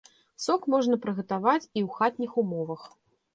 Сок можна прыгатаваць і ў хатніх умовах.